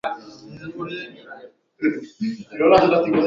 Units i els grans nomenaments del seu mandat encara trigaran a completar-se.